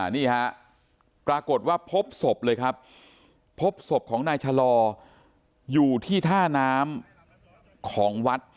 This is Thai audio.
นี่ฮะปรากฏว่าพบศพเลยครับพบศพของนายชะลออยู่ที่ท่าน้ำของวัด